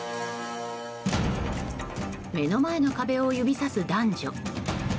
目の前の壁を指さす男女。